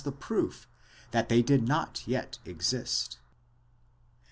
the proof that they did not yet exist.